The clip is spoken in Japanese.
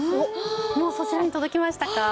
もうそちらに届きましたか？